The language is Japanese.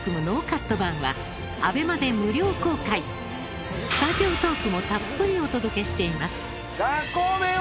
この番組のスタジオトークもたっぷりお届けしています